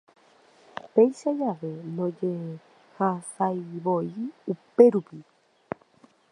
Péicha jave ndojehasaivoi upérupi.